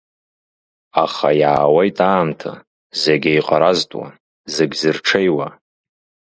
Аха иаауеит аамҭа, зегь еиҟаразтәуа, зегь зырҽеиуа.